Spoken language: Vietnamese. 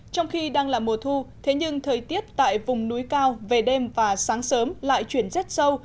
trong khi đang là mùa thu thế nhưng thời tiết tại vùng núi cao về đêm và sáng sớm lại chuyển rét sâu